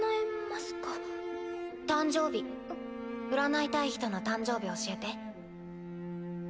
占いたい人の誕生日教えて。